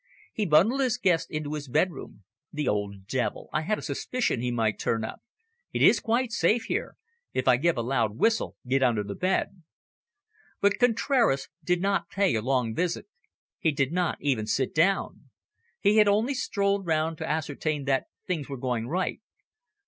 He bundled his guests into his bedroom. "The old devil! I had a suspicion he might turn up. It is quite safe here. If I give a loud whistle, get under the bed." But Contraras did not pay a long visit; he did not even sit down. He had only strolled round to ascertain that things were going right.